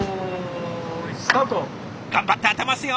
頑張って当てますよ！